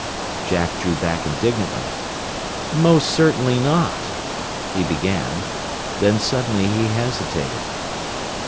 Jack drew back indignantly. "Most certainly not," he began. Then suddenly he hesitated.